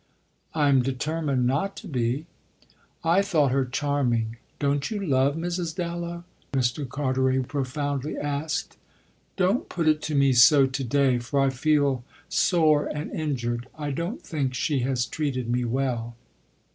"I'm determined not to be." "I thought her charming. Don't you love Mrs. Dallow?" Mr. Carteret profoundly asked. "Don't put it to me so to day, for I feel sore and injured. I don't think she has treated me well."